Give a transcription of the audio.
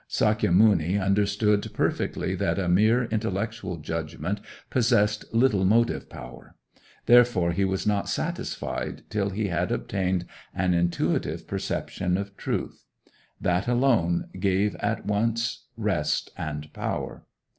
Sakya muni understood perfectly that a mere intellectual judgment possessed little motive power; therefore he was not satisfied till he had obtained an intuitive perception of truth. That alone gave at once rest and power.